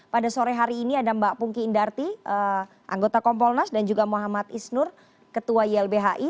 pada sore hari ini ada mbak pungki indarti anggota kompolnas dan juga muhammad isnur ketua ylbhi